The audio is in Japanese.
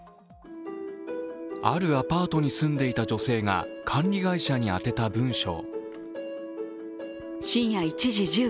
あるアパートに住んでいた女性が管理会社に宛てた文章。